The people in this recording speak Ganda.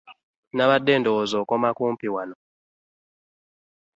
Nabadde ndowooza okoma kumpi awo.